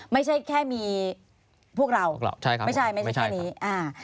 ไม่ใช่แค่มีพวกเราใช่ครับไม่ใช่ไม่ใช่แค่นี้อ่า